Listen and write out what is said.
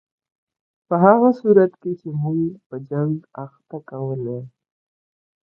په هغه صورت کې یې موږ په جنګ اخته کولای.